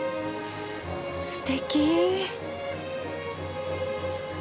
すてき。